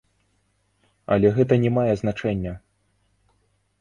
Але гэта не мае значэння.